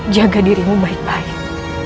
jaga dirimu baik baik